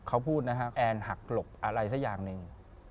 เขาพูดนะครับแอนหักหลบอะไรสักอย่างหนึ่ง